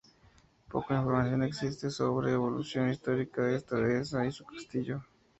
Poca información existe sobre la evolución histórica de esta dehesa y su castillo.